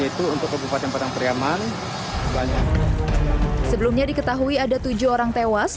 ayo kita ke bupati padang pariyaman banyak sebelumnya diketahui ada tujuh orang tewas